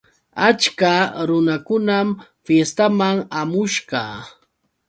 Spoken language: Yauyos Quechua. Achka runakunam fiestaman hamushqa.